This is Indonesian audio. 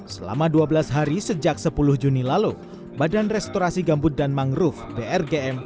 selama dua belas hari sejak sepuluh juni lalu badan restorasi gambut dan mangrove brgm